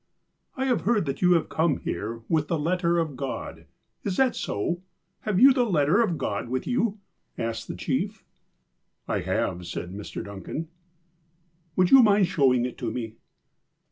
''■ I have heard that you have come here with the let ter of God. Is that so % Have you the letter of God with you?" asked the chief. *'I have," said Mr. Duncan. "Would you mind showing it to me?